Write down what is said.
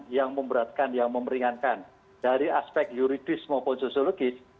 yang memberatkan yang memberingankan dari aspek juridis maupun sosiologis